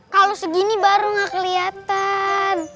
kalau segini baru gak kelihatan